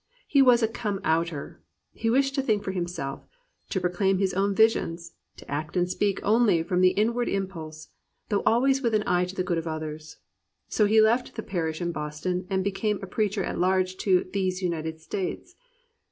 He was a come outer; he wished to think for himself, to proclaim his own visions, to act and speak only from the inward impulse, though always with an eye to the good of others. So he left his parish in Boston and became a preacher at large to "these United States."